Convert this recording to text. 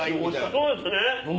そうですね。